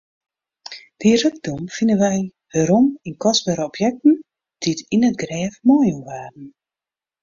Dy rykdom fine wy werom yn kostbere objekten dy't yn it grêf meijûn waarden.